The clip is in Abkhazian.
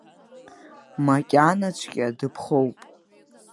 Макьанаҵәҟьа дыԥхоуп.